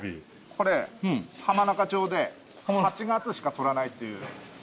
これ浜中町で８月しか取らないという。